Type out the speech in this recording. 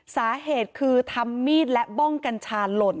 สาเหตุคือทำมีดและบ้องกัญชาหล่น